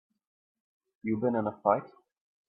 You been in a fight?